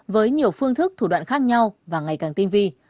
với nhiều phương thức thủ đoạn khác nhau và ngày càng tinh vi